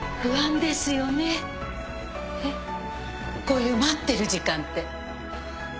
こういう待ってる時間って。